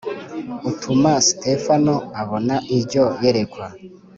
utuma Sitefano abona iryo yerekwa